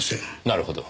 なるほど。